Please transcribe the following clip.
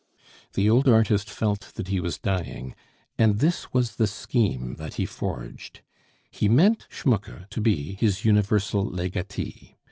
The old artist felt that he was dying, and this was the scheme that he forged. He meant Schmucke to be his universal legatee.